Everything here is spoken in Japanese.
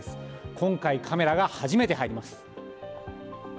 今回、カメラが初めて入ります。